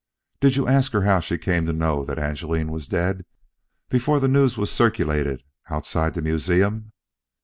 "Did you ask her how she came to know that Angeline was dead, before the news was circulated outside the museum?"